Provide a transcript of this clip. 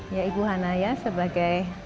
ya ibu hana ya sebagai